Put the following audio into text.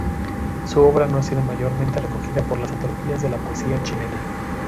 Su obra no ha sido mayormente recogida por las antologías de la poesía chilena.